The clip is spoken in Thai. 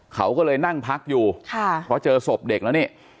เขาก็เลยนั่งพักอยู่ค่ะเพราะเจอศพเด็กแล้วนี่